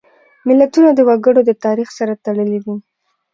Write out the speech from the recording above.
متلونه د وګړو د تاریخ سره تړلي دي